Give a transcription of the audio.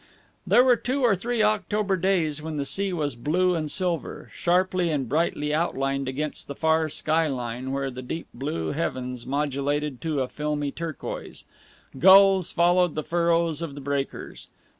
There were two or three October days when the sea was blue and silver, sharply and brightly outlined against the far skyline where the deep blue heavens modulated to a filmy turquoise. Gulls followed the furrows of the breakers.